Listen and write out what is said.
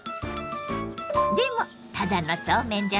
でもただのそうめんじゃないわ！